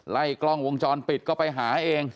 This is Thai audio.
ไล่กล้องวงจรปิดก็ไปหาเอง